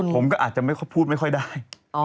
ผมก็อาจจะพูดไม่ค่อยได้